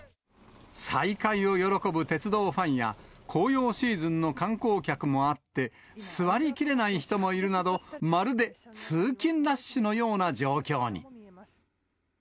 再開を喜ぶ鉄道ファンや、紅葉シーズンの観光客もあって、座りきれない人もいるなど、まるで通勤ラッシュのような状況に。